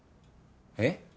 えっ？